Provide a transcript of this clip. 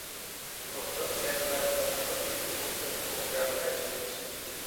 Ook dat zeggen wij uitdrukkelijk in onze ontwerpresolutie.